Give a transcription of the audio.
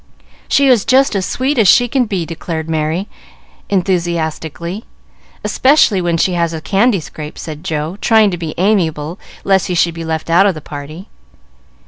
"She is just as sweet as she can be!" declared Merry, enthusiastically. "Especially when she has a candy scrape," said Joe, trying to be amiable, lest he should be left out of the party.